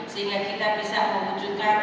sehingga kita bisa untuk mencapai kekuatan global